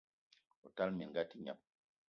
O tala minga a te gneb!